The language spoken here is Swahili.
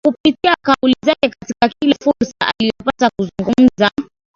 Kupitia kauli zake katika kila fursa aliyopata kuzungumza